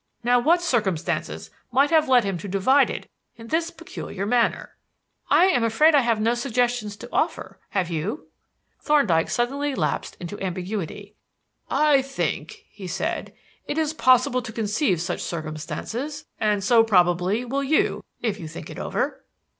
Now what circumstances might have led him to divide it in this peculiar manner?" "I am afraid I have no suggestion to offer. Have you?" Thorndyke suddenly lapsed into ambiguity. "I think," he said, "it is possible to conceive such circumstances, and so, probably, will you if you think it over."